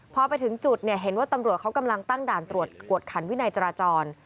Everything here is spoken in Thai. พอไปถึงจุดเนี่ยเห็นว่าตำรวจเขากำลังตั้งด่านตรวจกวดขันวินัยจราจร